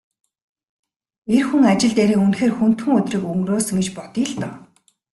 Эр хүн ажил дээрээ үнэхээр хүндхэн өдрийг өнгөрөөсөн гэж бодъё л доо.